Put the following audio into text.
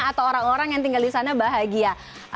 atau orang orang yang tinggal di sana bahagia